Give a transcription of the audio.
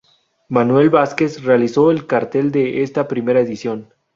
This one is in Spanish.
Manuel Vázquez realizó el cartel de esta primera edición.